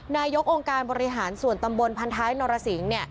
นายกองค์การบริหารส่วนตำบลพันท้ายนรสิงศ์